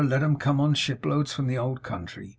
let 'em come on in shiploads from the old country.